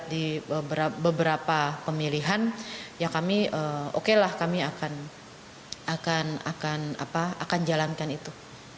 jadi beberapa pemilihan ya kami oke lah kami akan jalankan itu